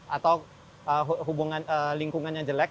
atau lingkungannya jelek